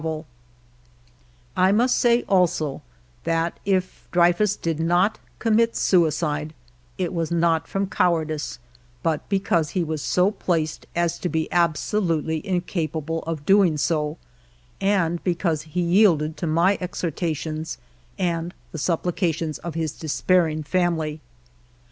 48 FIVE YEARS OF MY LIFE I must say also that If Dreyfus did not commit suicide, it was not from cowardice, but because he was so placed as to be absolutely incapable of doing so, and because he yielded to my exhortations and the supplications of his despairing family.